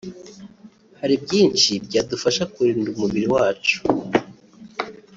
Hari byinshi byadufasha kurinda umubiri wacu